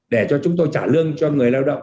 để cho chúng tôi trả lương cho người lao động